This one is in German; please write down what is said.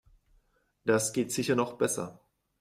Das geht sicher noch besser.